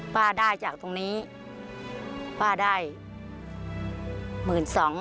ป้าได้จากตรงนี้ป้าได้๑๒๐๐บาท